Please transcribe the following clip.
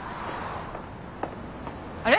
あれ？